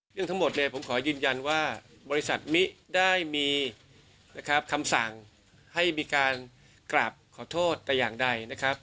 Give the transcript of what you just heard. เรื่องทั้งหมดผมขอยืนยันว่าบริษัทมิได้มีคำสั่งให้มีการกราบขอโทษแต่อย่างใด